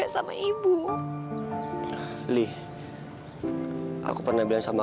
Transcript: kamu itu ada apa sih